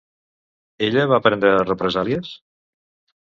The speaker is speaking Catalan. Ella va prendre represàlies?